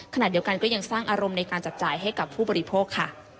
ขณะเดียวกันก็ยังสร้างอารมณ์ในการจับจ่ายให้กับผู้บริโภคค่ะ